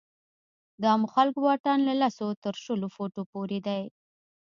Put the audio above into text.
د عامو خلکو واټن له لسو تر شلو فوټو پورې دی.